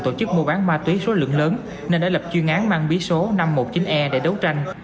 tổ chức mua bán ma túy số lượng lớn nên đã lập chuyên án mang bí số năm trăm một mươi chín e để đấu tranh